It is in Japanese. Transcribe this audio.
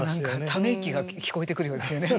ため息が聞こえてくるようですよね。